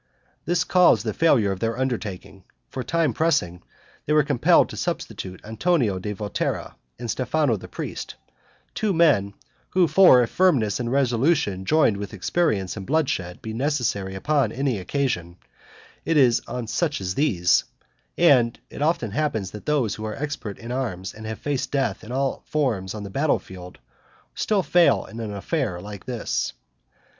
This caused the failure of their undertaking; for time pressing, they were compelled to substitute Antonio da Volterra and Stefano, the priest, two men, who, from nature and habit, were the most unsuitable of any; for if firmness and resolution joined with experience in bloodshed be necessary upon any occasion, it is on such as these; and it often happens that those who are expert in arms, and have faced death in all forms on the field of battle, still fail in an affair like this.